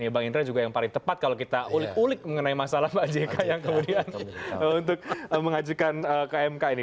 bang indra juga yang paling tepat kalau kita ulik ulik mengenai masalah pak jk yang kemudian untuk mengajukan ke mk ini